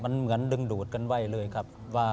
มันเหมือนดึงดูดกันไว้เลยครับว่า